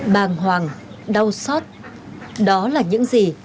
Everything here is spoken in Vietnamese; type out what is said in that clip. bàng hoàng đau xót đó là những gì